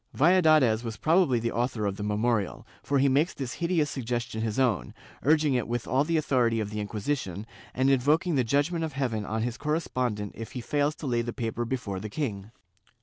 Valladares was prob ably the author of the memorial, for he makes this hideous sug gestion his own, urging it with all the authority of the Inquisition, and invoking the judgement of heaven on his correspondent if he fails to lay the paper before the king.